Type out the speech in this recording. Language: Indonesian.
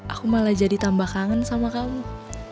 aku malah jadi tambah kangen sama kamu